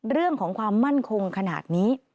เรื่องของความมั่นคงขนาดนี้